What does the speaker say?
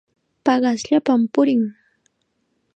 Paqasllapam purin.